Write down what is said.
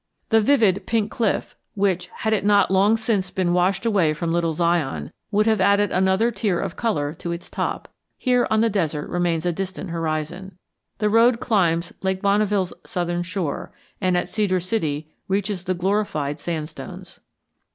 The vivid Pink Cliff, which, had it not long since been washed away from Little Zion, would have added another tier of color to its top, here, on the desert, remains a distant horizon. The road climbs Lake Bonneville's southern shore, and, at Cedar City, reaches the glorified sandstones.